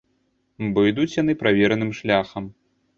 Бо ідуць яны правераным шляхам.